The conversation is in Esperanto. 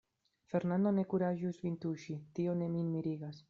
Fernando ne kuraĝus vin tuŝi, tio ne min mirigas.